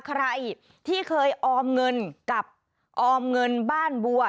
ใครที่เคยออมเงินกับออมเงินบ้านบัว